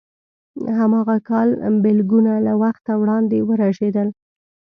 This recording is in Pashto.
هماغه کال بلګونه له وخته وړاندې ورژېدل.